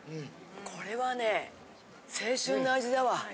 これはね青春の味だわ。